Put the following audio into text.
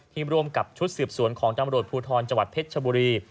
ที่ร่วมกับชุดเสี่ยบสวนของตำรวจพูทรจเพชรชบุรี